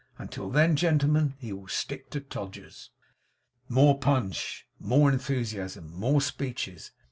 Until then, gentlemen, he will stick to Todgers's. More punch, more enthusiasm, more speeches.